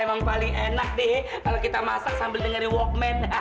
emang paling enak deh kalau kita masak sambil dengerin walkman